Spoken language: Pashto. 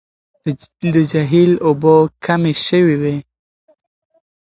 د جهيل اوبه کمې شوې دي.